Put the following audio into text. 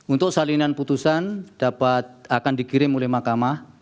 untuk salinan putusan dapat akan dikirim oleh mahkamah